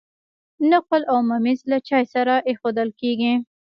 نقل او ممیز له چای سره ایښودل کیږي.